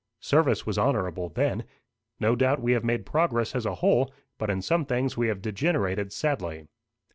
Service was honourable then. No doubt we have made progress as a whole, but in some things we have degenerated sadly.